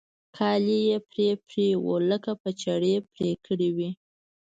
كالي يې پرې پرې وو لکه په چړې پرې كړي وي.